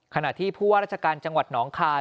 ขณะที่ผู้ว่าราชการจังหวัดหนองคาย